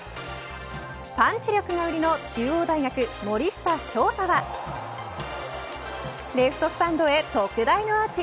パンチ力が売りの中央大学、森下翔太はレフトスタンドへ特大のアーチ。